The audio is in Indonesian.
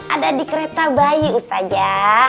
ada di kereta bayi ustaja